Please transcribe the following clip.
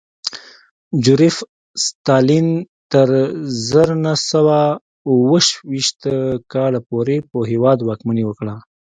جوزېف ستالین تر زر نه سوه اوه ویشت کال پورې پر هېواد واکمني وکړه